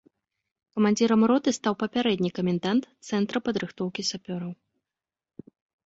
Камандзірам роты стаў папярэдні камендант цэнтра падрыхтоўкі сапёраў.